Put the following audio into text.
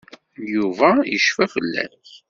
Yuba yecfa fell-ak.